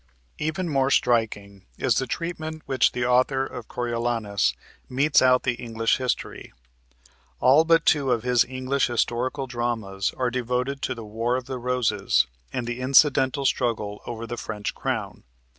Even more striking is the treatment which the author of "Coriolanus" metes out to English history. All but two of his English historical dramas are devoted to the War of the Roses and the incidental struggle over the French crown.